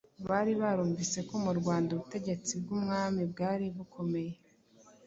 bari barumvise ko mu Rwanda ubutegetsi bw'umwami bwari bukomeye